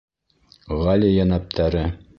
Ғали йәнәптәре...